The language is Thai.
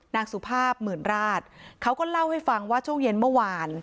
นางสุภาพหมื่นราชเขาก็เล่าให้ฟังว่าช่วงเย็นเมื่อวาน